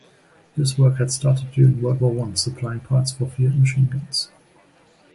This work had started during World War One supplying parts for Fiat machineguns.